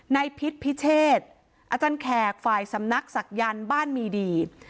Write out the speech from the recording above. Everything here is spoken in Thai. พิษพิเชษอาจารย์แขกฝ่ายสำนักศักยันต์บ้านมีดี